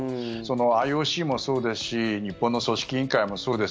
ＩＯＣもそうですし日本の組織委員会もそうです。